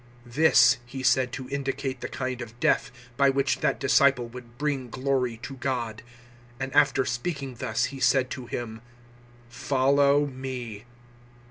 021:019 This He said to indicate the kind of death by which that disciple would bring glory to God; and after speaking thus He said to him, "Follow me."